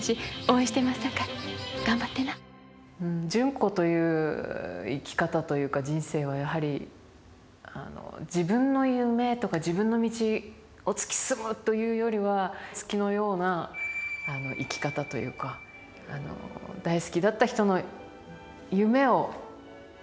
純子という生き方というか人生はやはり自分の夢とか自分の道を突き進むというよりは月のような生き方というかあの大好きだった人の夢を自分のこととして追いかける。